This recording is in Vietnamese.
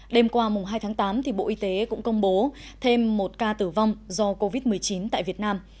đêm qua hai tháng tám bộ y tế cũng công bố thêm một ca tử vong do covid một mươi chín tại việt nam